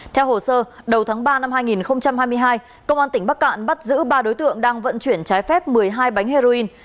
theo hồ sơ đầu tháng ba năm hai nghìn hai mươi hai công an tỉnh bắc cạn bắt giữ ba đối tượng đang vận chuyển trái phép một mươi hai bánh heroin